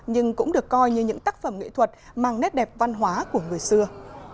nhưng cũng được coi như những tác phẩm nghệ thuật mang nét đẹp văn hóa của người xưa